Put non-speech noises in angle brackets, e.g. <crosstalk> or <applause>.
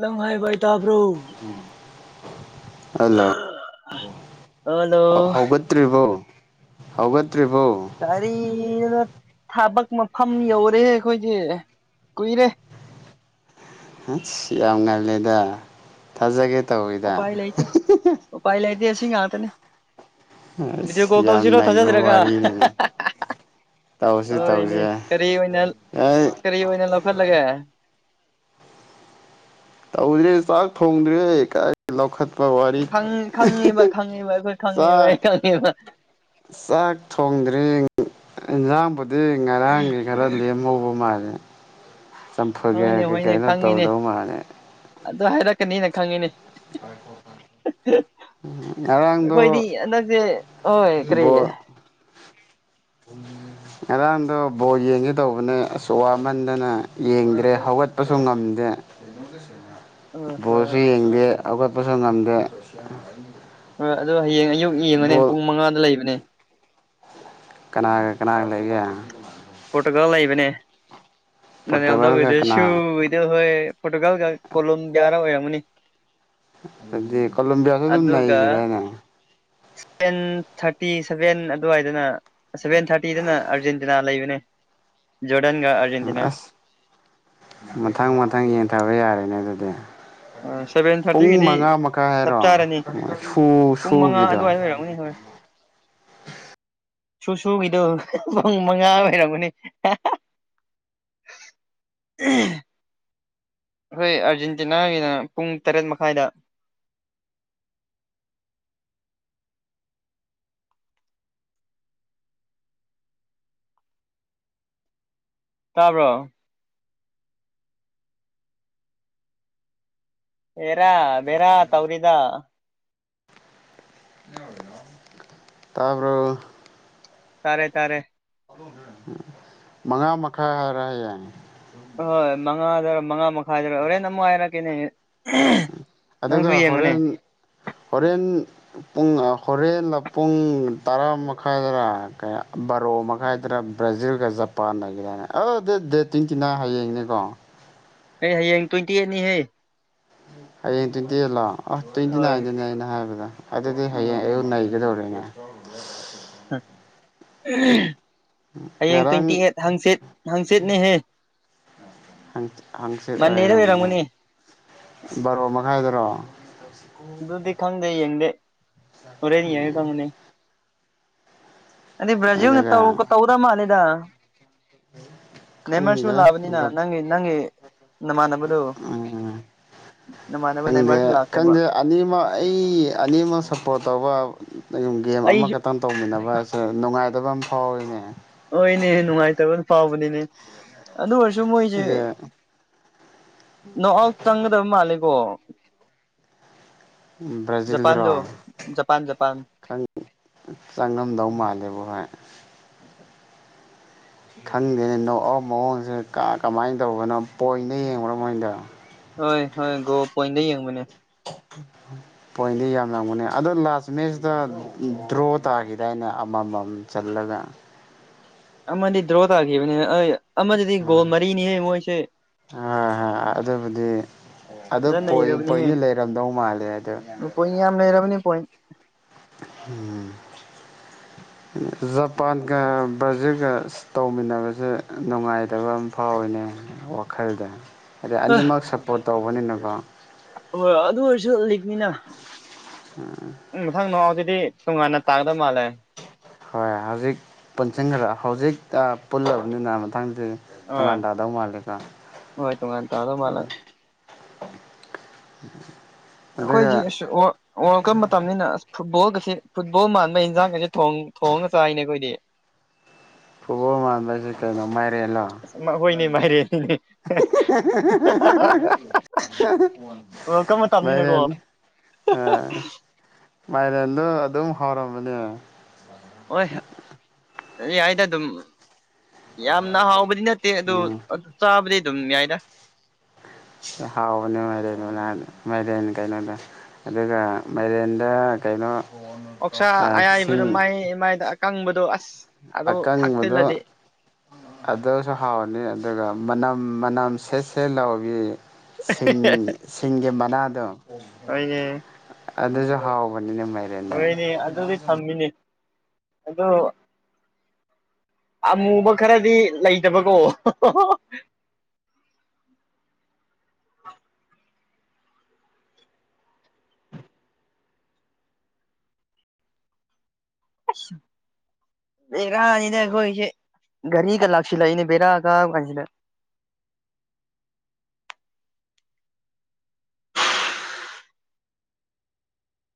ꯅꯪ ꯍꯥꯏꯕ ꯑꯩ ꯇꯥꯕ꯭ꯔꯣ ꯍꯜꯂꫭ ꯍꯜꯂꯣ ꯍ ꯍ ꯍꯧꯒꯠꯇ꯭ꯔꯤꯕꯣ ꯍꯧꯒꯠꯇ꯭ꯔꯤꯕꯣ ꯀꯥꯔꯤꯅ‌ꯣꯗ ꯊꯕꯛ ꯃꯐꯝ ꯌꯧꯔꯦ ꯑꯩꯈꯣꯏꯗꯤ ꯀꯨꯏꯔꯦ ꯍꯥꯏꯁ ꯌꯥꯝ ꯉꯜꯂꯤꯗ ꯊꯥꯖꯒꯦ ꯇꯧꯏ ꯎꯄꯥꯏ ꯂꯩꯇ‌ꯦ ꯎꯄꯥꯏ ꯂꯩꯇ‌ꯦ ꯑꯁꯤ ꯉꯥꯛꯇꯅꯦ ꯕꯤꯗꯤꯑꯣ ꯑꯁ ꯀꯣꯜ ꯌꯥꯝ ꯇꯧꯖꯤꯔ‌ꯣ ꯅꯩꯕ ꯊꯥꯖꯗ꯭ꯔꯒ ꯋꯥꯔꯤꯅꯤꯅꯦ ꯇꯧꯁꯦ ꯍꯣꯏꯅꯦ ꯇꯧꯁꯦ ꯀꯔꯤ ꯑꯣꯏꯅ ꯑꯩ ꯀꯔꯤ ꯑꯣꯏꯅ ꯂꯧꯈꯠꯂꯒꯦ ꯇꯧꯏꯁ‌ꯦ ꯆꯥꯛ ꯊꯣꯡꯗ꯭ꯔꯦ ꯀꯥꯏ ꯂꯧꯈꯠꯄꯥ ꯋꯥꯔꯤ ꯈꯪꯉꯦꯕ ꯈꯪꯉꯦꯕ ꯑꯩꯈꯣꯏ <unintelligible> ꯆꯥꯛ <unintelligible> ꯆꯥꯛ ꯊꯣꯡꯗ꯭ꯔꯤ ꯏꯟꯖꯥꯡꯕꯨ ꯗꯤ ꯉꯔꯥꯡꯒꯤ ꯈꯔ ꯂꯦꯝꯍꯧꯕ ꯃꯥꯜꯂꯦ ꯆꯝꯐꯨꯒ ꯍꯣꯏꯅꯦ ꯍꯣꯏꯅꯦ ꯀꯩꯀꯩꯅꯣ ꯈꯪꯉꯤꯅꯦ ꯇꯧꯗꯧꯕ ꯃꯥꯜꯂꯦ ꯑꯗꯨ ꯍꯥꯏꯔꯛꯀꯅꯤꯅ ꯈꯪꯉꯤꯅꯦ ꯑꯩꯈꯣꯏꯗꯤ ꯍꯟꯗꯛꯁꯦ ꯍꯣꯏ ꯀꯔꯤ ꯕꫭꯜ <unintelligible> ꯉꯔꯥꯡꯗꯣ ꯕꯣꯜ ꯌꯦꯡꯒꯦ ꯇꯧꯕꯅꯦ ꯑꯁ ꯋꯥꯃꯟꯗꯅ ꯌꯦꯡꯗ꯭ꯔꯦ ꯍꯧꯒꯠꯄꯁꯨ ꯉꯝꯗꯦ <inaudible> ꯍꯣꯏ ꯕꯣꯜꯁꯨ ꯌꯦꯡꯗꯦ ꯍꯧꯒꯠꯄꯁꯨ ꯉꯝꯗꯦ ꯍꯣꯏ ꯑꯗꯣ ꯍꯌꯦꯡ ꯑꯌꯨꯛ ꯌꯦꯡꯉꯨꯅꯦ ꯕꯣꯜ ꯄꯨꯡ ꯃꯉꯥꯗ ꯂꯩꯕꯅꯦ ꯀꯅꯥꯒ ꯀꯅꯥꯒ ꯂꯩꯒꯦ ꯄꯣꯔꯇꯨꯒꯜ ꯂꯩꯕꯅꯦ ꯅꯅꯦꯜꯗꯣ ꯈꯣꯏꯗꯣ ꯄꯣꯔꯇꯨꯒꯜꯒ ꯁꯨ ꯀꯅꯥ ꯍꯣꯏ ꯄꯣꯔꯇꯨꯒꯜꯒ ꯀꯣꯂꯣꯝꯕꯤꯌꯥꯒ ꯑꯣꯏꯔꯝꯒꯅꯤ ꯑꯗꯨꯗꯤ ꯀꯣꯂꯣꯝꯕꯤꯌꯥꯁꯨ ꯑꯗꯨꯝ ꯅꯩꯒꯤꯗꯥꯏꯅꯦ ꯁꯚꯦꯟ ꯊꯥꯔꯇꯤ ꯁꯚꯦꯟ ꯑꯗꯨꯋꯥꯏꯗꯅ ꯁꯚꯦꯟ ꯊꯥꯔꯇꯤꯗꯅ ꯑꯥꯔꯖꯦꯟꯇꯤꯅꯥ ꯂꯩꯕꯅꯦ ꯖꯣꯔꯗꯟꯒ ꯑꯥꯔ ꯑꯁ ꯃꯊꯪ ꯃꯊꯪ ꯌꯦꯡꯊꯕ ꯌꯥꯔꯦꯅꯦ ꯑꯗꯨꯗꯤ ꯁꯚꯦꯟ ꯄꯨꯡ ꯊꯥꯔꯇꯤꯒꯤꯗꯤ ꯃꯉꯥ ꯃꯈꯥꯏ ꯆꯞ ꯍꯥꯏꯔꯣ ꯆꯥꯔꯅꯤ ꯁꯨ ꯁꯨꯒꯤꯗꯣ ꯍꯣꯏ ꯍꯣꯏ ꯁꯨ ꯁꯨ ꯒꯤꯗꯨ ꯄꯨꯡ ꯃꯉꯥ ꯑꯣꯏꯔꯝꯒꯅꯤ <unintelligible> ꯑꯩꯈꯣꯏ ꯑꯥꯔꯖꯦꯟꯇꯤꯅꯥꯒꯤꯅ ꯄꯨꯡ ꯇꯔꯦꯠ ꯃꯈꯥꯏꯗ ꯇꯥꯕ꯭ꯔꯣ ꯍꯦꯔꯥ ꯕꯦꯔꯥ ꯇꯧꯔꯤꯗ <unintelligible> ꯇꯥꯕ꯭ꯔꯣ ꯇꯥꯔꯦ ꯇꯥꯔꯦ ꯃꯉꯥ ꯃꯈꯥꯏ ꯍꯥꯏꯔ ꯍꯩꯌꯦꯡ ꯍꯣꯏ ꯃꯉꯥꯗꯔ ꯃꯉꯥ ꯃꯈꯥꯏꯗꯔ ꯍꯣꯔꯦꯟ ꯑꯃꯨꯛ ꯍꯥꯏꯔꯛꯀꯦꯅꯦꯍꯦ ꯅꯪꯁꯨ ꯑꯗꯨꯒ ꯌꯦꯡꯉꯨꯅꯦ ꯍꯣꯔꯦꯟ ꯍꯣꯔꯦꯟ ꯄꯨꯡ ꯑ ꯍꯣꯔꯦꯟꯅ ꯄꯨꯡ ꯇꯔꯥ ꯃꯈꯥꯏꯗꯔ ꯀꯌꯥ ꯕꯥꯔꯣ ꯃꯈꯥꯏꯗꯔ ꯕ꯭ꯔꯥꯖꯤꯜꯒ ꯖꯄꯥꯟꯅꯒꯤꯔꯅ ꯑꯣ ꯗꯦꯠ ꯗꯦꯠ ꯇ꯭ꯋꯦꯟꯇꯤꯅꯥꯏꯟ ꯍꯌꯦꯡꯅꯤꯀꯣ ꯑꯩ ꯍꯌꯦꯡ ꯇ꯭ꯋꯦꯟꯇꯤ ꯑꯦꯠꯅꯤꯍꯦ ꯍꯌꯦꯡ ꯇ꯭ꯋꯦꯟꯇꯤ ꯑꯦꯠ ꯂꯣ ꯑ ꯇ꯭ꯋꯦꯟꯇꯤ ꯍꯣꯏ ꯅꯥꯏꯟꯗꯅꯦ ꯑꯩꯅ ꯍꯥꯏꯕꯗꯣ ꯑꯗꯨꯗꯤ ꯍꯌꯦꯡ ꯎꯝ ꯑꯌꯨꯛ ꯅꯩꯒꯗꯧꯔꯤꯅꯦ ꯍꯌꯦꯡ ꯇ꯭ꯋꯦꯟꯇꯤ ꯉꯔꯥꯡ ꯑꯦꯠ ꯍꯡꯆꯤꯠ ꯍꯡꯆꯤꯠꯅꯦꯍꯦ ꯍꯪꯆꯤ ꯍꯪꯆꯤꯠ ꯃꯟꯗꯦꯗ ꯑꯣꯏꯔꯝꯅꯦ ꯑꯣꯏꯔꯝꯒꯅꯤ ꯕꯥꯔꯣ ꯃꯈꯥꯏꯗꯔꯣ ꯑꯗꯨꯗꯤ ꯈꯪꯗꯦ ꯌꯦꯡꯗꯦ ꯍꯣꯔꯦꯟ ꯌꯦꯡꯉꯥ ꯈꯪꯒꯅꯤ ꯑꯗꯨꯗꯤ ꯕ꯭ꯔꯥꯖꯤꯜꯅ ꯑꯗꯨꯒ ꯇꯧꯒ ꯇꯧꯒꯗꯕ ꯃꯥꯜꯂꯤꯗ ꯅꯦꯃꯥꯔꯁꯨ ꯈꯪꯗꯦ ꯂꯥꯛꯑꯕꯅꯤꯅ ꯅꯪꯒꯤ ꯅꯪꯒꯤ ꯅꯃꯥꯟꯅꯕꯗꯨ ꯅꯃꯥꯟꯅꯕ ꯈꯪꯗꯦ ꯅꯦꯃꯥꯔꯁꯨ ꯂꯥꯛꯈ꯭ꯔꯦꯕ ꯈꯪꯗꯦ ꯑꯅꯤꯃꯛ ꯑꯩ ꯑꯅꯤꯃꯛ ꯁꯞꯄꯣꯔꯠ ꯇꯧꯕ ꯒꯦꯝ ꯑꯩꯁꯨ ꯑꯃꯈꯛꯇꯪ ꯇꯧꯃꯤꯟꯅꯕ ꯑꯁꯦ ꯅꯨꯡꯉꯥꯏꯇꯕ ꯑꯃ ꯐꯥꯎꯏꯅꯦ ꯍꯣꯏꯅꯦ ꯅꯨꯡꯉꯥꯏꯇꯕ ꯐꯥꯎꯕꯅꯤꯅꯦ ꯑꯗꯨ ꯑꯣꯏꯔꯁꯨ ꯃꯣꯏꯖꯦ ꯑꯩꯒꯤ ꯅꯣꯛ ꯑꯥꯎꯠ ꯆꯪꯒꯗꯕ ꯃꯥꯜꯂꯦꯀꯣ ꯕ꯭ꯔꯥꯖꯤꯜꯗꯨꯔꯣ ꯖꯄꯥꯟꯗꯣ ꯖꯄꯥꯟ ꯖꯄꯥꯟ ꯆꯪꯉꯝꯗꯧ ꯃꯥꯜꯂꯦꯕꯣ ꯍꯣꯏ ꯈꯪꯗꯦꯅꯦ ꯅꯣꯛꯑꯥꯎꯠ ꯃꯑꯣꯡꯁꯦ ꯀꯥ ꯀꯃꯥꯏꯅ ꯇꯧꯕꯅꯣ ꯄꯣꯏꯟꯗ ꯌꯦꯡꯕ꯭ꯔꯣ ꯃꯣꯏꯗꯣ ꯍꯣꯏ ꯍꯣꯏ ꯒꯣꯜ ꯄꯣꯏꯟꯗ ꯌꯦꯡꯕꯅꯦ <unintelligible> ꯄꯣꯏꯟꯗꯤ ꯌꯥꯝꯂꯝꯒꯅꯤ ꯑꯗꯣ ꯂꯥꯁ ꯃꯦꯠꯁꯇ ꯗ꯭ꯔꯣ ꯇꯥꯈꯤꯗꯥꯏꯅꯦ ꯑꯃꯃꯝ ꯆꯜꯂꯒ ꯑꯃꯗꯤ ꯗ꯭ꯔꯣ ꯇꯥꯈꯤꯕꯅꯤꯅ ꯑꯩ ꯑꯃꯗꯗꯤ ꯎꯝ ꯒꯣꯜ ꯃꯔꯤꯅꯤꯍꯦ ꯃꯣꯏꯁꯦ ꯍꯣꯏ ꯍꯣꯏ ꯑꯥ ꯑꯗꯨꯕꯨꯗꯤ ꯑꯗꯨ ꯐꯖꯅ ꯄꯣꯏꯟ ꯅꯩꯔꯕꯅꯤꯍꯦ ꯄꯣꯏꯟꯗꯤ ꯂꯩꯔꯝꯗꯧ ꯃꯥꯜꯂꯦ ꯑꯗꯨ ꯄꯣꯏꯟ ꯌꯥꯝ ꯂꯩꯔꯕꯅꯤ ꯄꯣꯏꯟ ꯎꯝ ꯖꯄꯥꯟꯒ ꯕ꯭ꯔꯥꯖꯤꯜꯒ ꯇꯧꯃꯤꯟꯅꯕꯁꯦ ꯅꯨꯡꯉꯥꯏꯇꯕ ꯑꯝ ꯐꯥꯎꯋꯤꯅꯦ ꯋꯥꯈꯜꯗ ꯑꯗꯩ ꯍꯣꯏ ꯑꯅꯤꯃꯛ ꯁꯄꯣꯔꯠ ꯇꯧꯕꯅꯤꯅꯀꯣ ꯍꯣꯏ ꯑꯗꯨ ꯑꯣꯏꯔꯁꯨ ꯂꯤꯛꯅꯤꯅ <unintelligible> ꯎꯝ ꯃꯊꯪ ꯅꯣꯛꯑꯥꯎꯠꯁꯤꯗꯤ ꯇꯣꯉꯥꯟꯅ ꯇꯥꯒꯗꯕ ꯃꯥꯜꯂꯦ ꯍꯣꯏ ꯍꯧꯖꯤꯛ ꯄꯨꯟꯁꯤꯟꯈ꯭ꯔ ꯑꯥ ꯍꯧꯖꯤꯛ ꯑꯥ ꯄꯨꯜꯂꯕꯅꯤꯅ ꯃꯊꯪꯗꯤ ꯍꯣꯏ ꯇꯣꯉꯥꯟ ꯇꯥꯗꯧ ꯃꯥꯜꯂꯦꯀꯣ ꯍꯣꯏ ꯇꯣꯉꯥꯟꯅ ꯇꯥꯗꯧ ꯃꯥꯜꯂꯦ ꯎꯝ <unintelligible> ꯑꯩꯈꯣꯏꯁꯤ ꯑꯁ ꯋꯥ ꯋꯥꯔꯜ ꯀꯞ ꯃꯇꯝꯅꯤꯅ ꯑꯁ ꯐꯨꯠꯕꯣꯜꯒꯁꯤ ꯐꯨꯠꯕꯣꯜ ꯃꯥꯟꯕ ꯍꯤꯟꯖꯥꯡꯒꯁꯦ ꯊꯣꯡ ꯊꯣꯡꯉꯒ ꯆꯥꯏꯅꯦ ꯑꯩꯈꯣꯏꯗꯤ ꯐꯨꯠꯕꯣꯜ ꯃꯥꯟꯕ ꯍꯥꯏꯁꯦ ꯀꯩꯅꯣ ꯃꯥꯏꯔꯦꯜꯂꯣ ꯑꯁ ꯃꯥ ꯍꯣꯏꯅꯦ ꯃꯥꯥꯏꯔꯦꯟꯅꯤꯅꯦ ꯋꯥꯜ ꯀꯞ ꯃꯇꯝꯅꯤꯅꯀꯣ ꯑꯦ ꯃꯥꯏꯔꯦꯟꯗꯣ ꯑꯗꯨꯝ ꯍꯥꯎꯔꯝꯕꯅꯦ ꯍꯣꯏ ꯌꯥꯏꯗ ꯑꯗꯨꯝ ꯌꯥꯝꯅ ꯍꯥꯎꯕꯗꯤ ꯅꯠꯇꯦ ꯑꯗꯨ ꯎꯝ ꯑꯗ ꯆꯥꯕꯗꯤ ꯑꯗꯨꯝ ꯌꯥꯏꯗ ꯍꯥꯎꯕꯅꯦ ꯃꯥꯏꯔꯦꯟ ꯃꯅꯥ ꯃꯥꯏꯔꯦꯟ ꯀꯩꯅꯣꯗꯣ ꯑꯗꯨꯒ ꯃꯥꯏꯔꯦꯟꯗ ꯀꯩꯅꯣ ꯑꯣꯛꯁꯥ ꯑꯌꯥꯏꯕꯗꯨ ꯁꯤꯡ ꯃꯩ ꯃꯩꯗ ꯑꯀꯪꯕꯗꯣ ꯑꯁ ꯑꯗꯨ ꯑꯀꯪꯕꯗꯣ ꯊꯥꯛꯆꯤꯜꯂꯗꯤ ꯑꯗꯨꯁꯨ ꯍꯥꯎꯕꯅꯤ ꯑꯗꯨꯒ ꯃꯅꯝ ꯃꯅꯝ ꯁꯦꯠ ꯁꯦꯠ ꯂꯥꯎꯕꯤ ꯁꯤꯡ ꯁꯤꯡꯒꯤ ꯃꯅꯥꯗꯣ ꯍꯣꯏꯅꯦ ꯑꯗꯨꯁꯨ ꯍꯥꯎꯕꯅꯤꯅꯦ ꯃꯥꯏ ꯍꯣꯏꯅꯦ ꯑꯗꯨꯗꯤ ꯊꯝꯃꯤꯅꯦ ꯑꯗꯨꯕꯨ ꯑꯃꯨꯕ ꯈꯔꯗꯤ ꯂꯩꯇꯕꯀꯣ <inaudible> <unintelligible> ꯕꯦꯔꯥꯅꯤꯗ ꯑꯩꯈꯣꯏꯒꯤꯁꯦ ꯒꯥꯔꯤꯒ ꯂꯥꯛꯁꯤꯜꯂꯛꯏꯅꯦ ꯕꯦꯔꯥ ꯀꯥꯕ ꯀꯥꯟꯁꯤꯗ